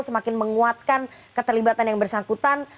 semakin menguatkan keterlibatan yang bersangkutan